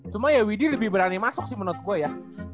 cuma ya widhi lebih berani masuk sih menurut gue ya